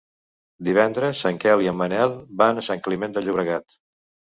Divendres en Quel i en Manel van a Sant Climent de Llobregat.